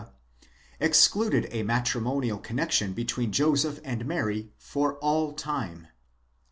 A. excluded a matrimonial connexion between Joseph and Mary for all time.